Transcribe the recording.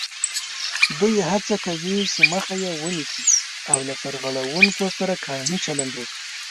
دوی هڅه کوي چې مخه یې ونیسي او له سرغړوونکو سره قانوني چلند وکړي